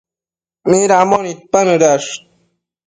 Midambo nidpanëdash?